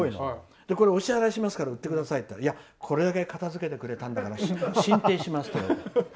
お支払いしますから売ってくださいって言ったらいや、これだけ片づけてくれたんだから進呈しますと。